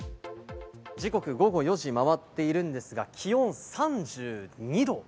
時刻、午後４時を回っているんですが、気温３２度。